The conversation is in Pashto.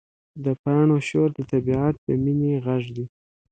د پاڼو شور د طبیعت د مینې غږ دی.